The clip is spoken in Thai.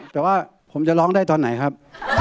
แต่ว่าผมจะร้องได้ตอนไหนครับ